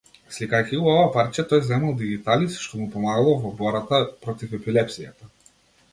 Сликајќи го ова парче, тој земал дигиталис, што му помагало во бората против епилепсијата.